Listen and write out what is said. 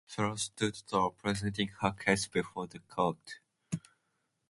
Sarah stood tall, presenting her case before the court.